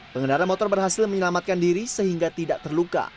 pengendara motor berhasil menyelamatkan diri sehingga tidak terluka